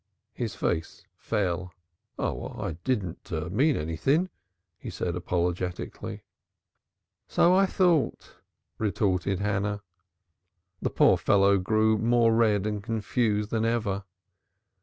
His face fell. "Oh, I didn't mean anything," he said apologetically. "So I thought," retorted Hannah. The poor fellow grew more red and confused than ever.